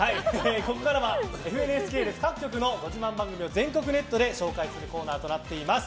ここからはＦＮＳ系列各局のご自慢番組を全国ネットで紹介するコーナーとなっています。